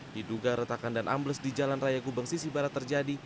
diduga retakan dan ambles di jalan raya gubeng sisi barat terjadi